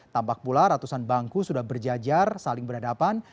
tampak pula ratusan bangku sudah berjajar saling berhadapan